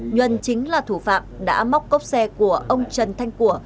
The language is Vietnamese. nhuần chính là thủ phạm đã móc cốc xe của ông trần thanh của